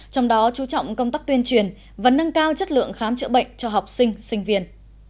trong đó chú trọng công tác tuyên truyền và nâng cao chất lượng khám chữa bệnh cho học sinh sinh viên